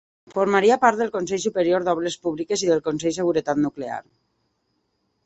Formaria part del Consell Superior d'Obres Públiques i del Consell de Seguretat Nuclear.